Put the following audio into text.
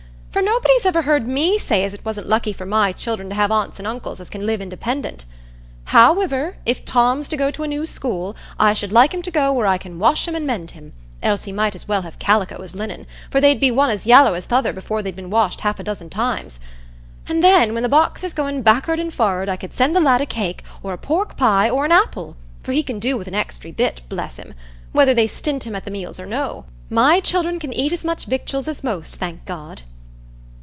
For nobody's ever heard me say as it wasn't lucky for my children to have aunts and uncles as can live independent. Howiver, if Tom's to go to a new school, I should like him to go where I can wash him and mend him; else he might as well have calico as linen, for they'd be one as yallow as th' other before they'd been washed half a dozen times. And then, when the box is goin' back'ard and forrard, I could send the lad a cake, or a pork pie, or an apple; for he can do with an extry bit, bless him! whether they stint him at the meals or no. My children can eat as much victuals as most, thank God!"